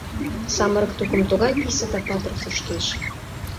Самырык тукым тугай писе да патыр кушкеш!